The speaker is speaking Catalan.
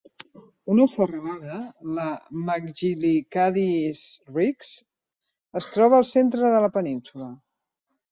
Una serralada, la Macgillycuddy's Reeks, es troba al centre de la península.